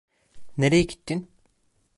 Nereye gittin?